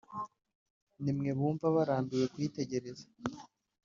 n’imwe bumva barambiwe kuyitegereza